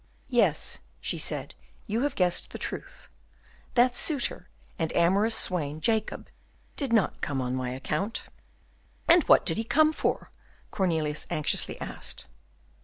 "Yes," she said, "you have guessed the truth; that suitor and amorous swain, Jacob, did not come on my account." "And what did he come for?" Cornelius anxiously asked.